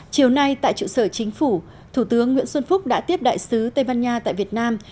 chiều nay tại trụ sở chính phủ thủ tướng nguyễn xuân phúc đã tiếp đại sứ tây ban nha tại việt nam